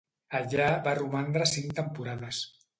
Allà va romandre cinc temporades.